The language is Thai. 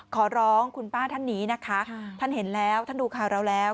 ขอร้องคุณป้าท่านนี้นะคะท่านเห็นแล้วท่านดูข่าวเราแล้ว